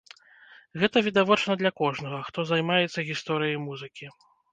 Гэта відавочна для кожнага, хто займаецца гісторыяй музыкі.